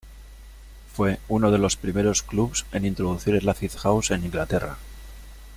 Fue uno de los primeros clubs en introducir el acid house en Inglaterra.